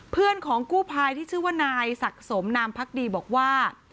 เพื่อนของกู้ภัยที่ชื่อว่านายศักดิ์สมนามพักดีบอกว่า